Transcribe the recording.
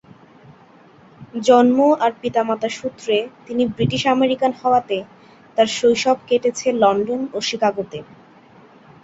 জন্ম আর পিতামাতা সূত্রে তিনি ব্রিটিশ-আমেরিকান হওয়াতে তার শৈশব কেটেছে লন্ডন ও শিকাগোতে।